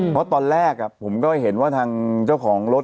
เพราะตอนแรกผมก็เห็นว่าทางเจ้าของรถ